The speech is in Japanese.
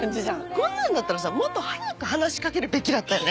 こんなんだったらさもっと早く話しかけるべきだったよね。